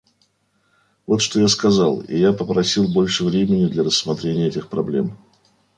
Вот что я сказал, и я попросил больше времени для рассмотрения этих проблем.